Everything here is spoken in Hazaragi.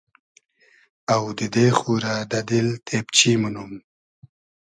آودیدې خو رۂ دۂ دیل تېبچی مونوم